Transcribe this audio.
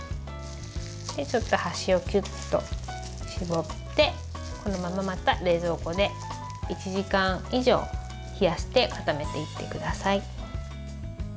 ちょっと端をキュッと絞ってこのまま、また冷蔵庫で１時間以上冷やして固めていってください。